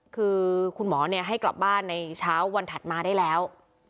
คือคุณหมอให้กลับบ้านในเช้าวันถัดมาได้แล้ว